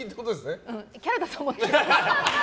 キャラだと思ってたの？